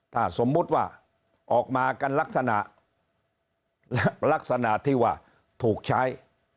ถ้าสมมุติว่าออกมากันลักษณะที่ว่าถูกใช้